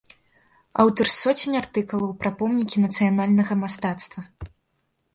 Аўтар соцень артыкулаў пра помнікі нацыянальнага мастацтва.